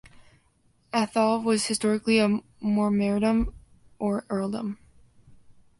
Atholl was historically a mormaerdom or earldom.